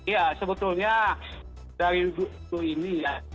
ya sebetulnya dari itu ini